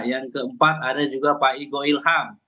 yang keempat ada juga pak igo ilham